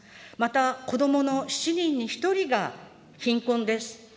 また、子どもの７人に１人が貧困です。